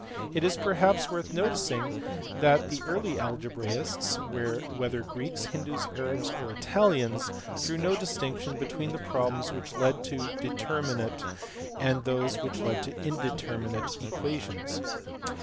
It is perhaps worth noticing that the early algebraists, whether Greeks, Hindoos, Arabs, or Italians, drew no distinction between the problems which led to determinate and those which led to indeterminate equations.